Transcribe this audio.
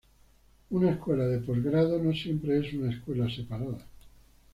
Una escuela de postgrado no siempre es una escuela separada.